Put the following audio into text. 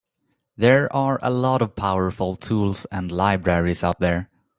There are a lot of powerful tools and libraries out there.